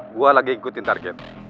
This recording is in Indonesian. gue lagi ikutin target